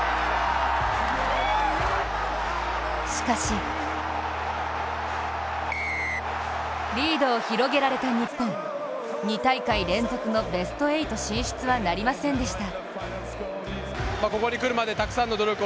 しかしリードを広げられた日本、２大会連続のベスト８進出はなりませんでした。